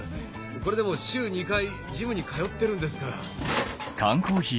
これでも週２回ジムに通ってるんですから。